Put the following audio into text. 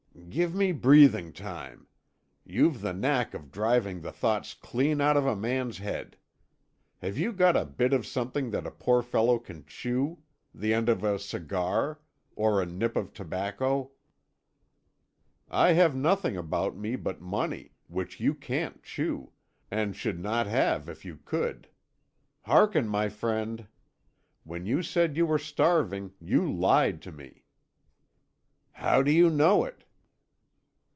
"Give me breathing time. You've the knack of driving the thoughts clean out of a man's head. Have you got a bit of something that a poor fellow can chew the end of a cigar, or a nip of tobacco?" "I have nothing about me but money, which you can't chew, and should not have if you could. Hearken, my friend. When you said you were starving, you lied to me." "How do you know it?"